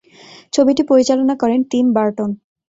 ছবিটি পরিচালনা করেন টিম বার্টন।